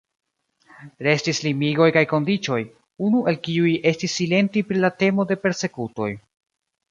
Restis limigoj kaj kondiĉoj, unu el kiuj estis silenti pri la temo de persekutoj.